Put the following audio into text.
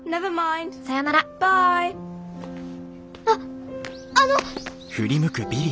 ．あっあの！